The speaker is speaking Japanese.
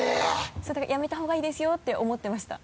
そうだから「やめたほうがいいですよ」って思ってました。